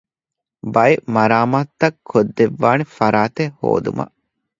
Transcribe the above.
ބައެއް މަރާމާތުތައް ކޮށްދެއްވާނެ ފަރާތެއް ހޯދުމަށް